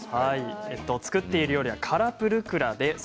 作ってる料理はカラプルクラです。